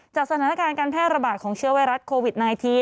สถานการณ์การแพร่ระบาดของเชื้อไวรัสโควิด๑๙